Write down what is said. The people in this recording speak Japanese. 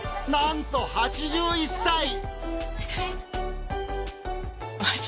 なんと８１歳。